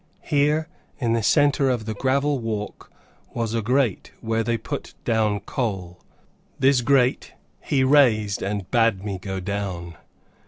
Here, in the centre of the gravel walk, was a grate where they put down coal. This grate he raised and bade me go down.